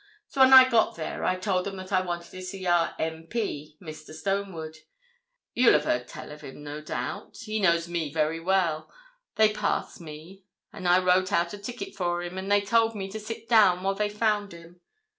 So when I got there I told 'em that I wanted to see our M.P., Mr. Stonewood—you'll have heard tell of him, no doubt; he knows me very well—and they passed me, and I wrote out a ticket for him, and they told me to sit down while they found him.